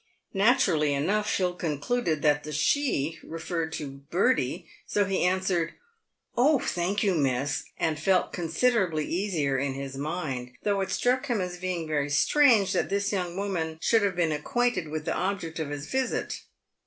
Naturally enough Phil concluded that the " she" referred [to Bertie, so he answered, " Oh, thank you, miss," and felt considerably easier in his mind, though it struck him as being very strange that this young woman should have been acquainted with the object of his visit.